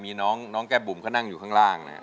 มีน้องแก้บุ๋มเขานั่งอยู่ข้างล่างนะครับ